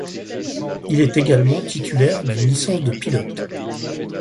Il est également titulaire d'une licence de pilote.